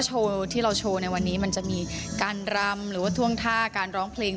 โชว์ที่เราโชว์ในวันนี้มันจะมีการรำหรือว่าท่วงท่าการร้องเพลง